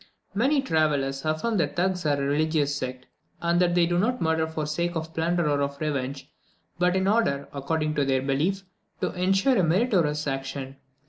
Many travellers affirm that the Thugs are a religious sect, and that they do not murder for the sake of plunder or of revenge, but in order, according to their belief, to ensure a meritorious action.